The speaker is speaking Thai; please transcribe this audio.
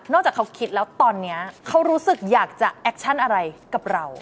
จากเขาคิดแล้วตอนนี้เขารู้สึกอยากจะแอคชั่นอะไรกับเรา